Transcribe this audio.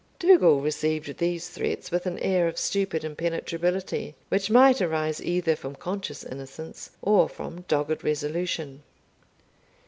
Dougal received these threats with an air of stupid impenetrability, which might arise either from conscious innocence, or from dogged resolution.